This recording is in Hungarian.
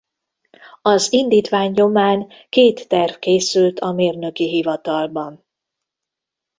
Az indítvány nyomán két terv készült a mérnöki hivatalban.